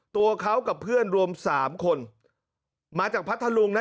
ตัวเขากับเพื่อนรวมสามคนมาจากพัทธลุงนะ